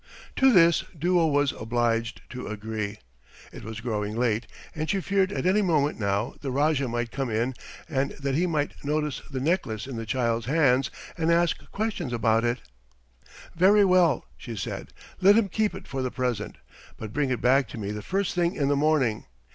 To this Duo was obliged to agree. It was growing late and she feared at any moment now the Rajah might come in and that he might notice the necklace in the child's hands and ask questions about it. "Very well," she said. "Let him keep it for the present, but bring it back to me the first thing in the morning.